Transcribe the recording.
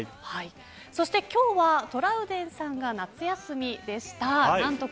そして今日はトラウデンさんが夏休みでした。